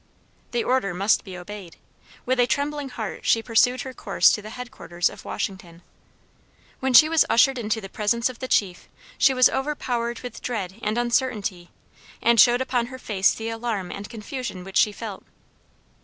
The order must be obeyed. With a trembling heart she pursued her course to the headquarters of Washington. When she was ushered into the presence of the Chief, she was overpowered with dread and uncertainty, and showed upon her face the alarm and confusion which she felt.